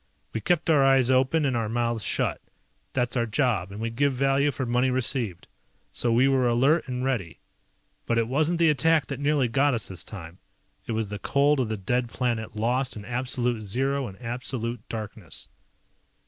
We kept our eyes open and our mouths shut. That's our job, and we give value for money received. So we were alert and ready. But it wasn't the attack that nearly got us this time. It was the cold of the dead planet lost in absolute zero and absolute darkness.